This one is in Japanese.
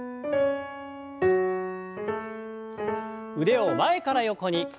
腕を前から横に。